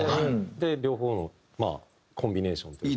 で両方のまあコンビネーションというか。